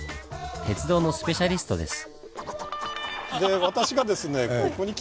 鉄道のスペシャリストです。